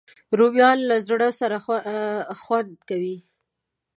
رومیان له زړه سره خوند کوي